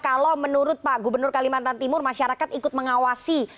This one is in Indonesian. kalau menurut pak gubernur kalimantan timur masyarakat ikut mengawasi